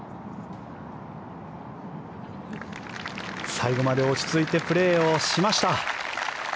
最後まで落ち着いてプレーをしました。